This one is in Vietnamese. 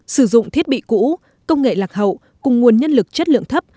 sử dụng thiết bị cũ công nghệ lạc hậu cùng nguồn nhân lực chất lượng thấp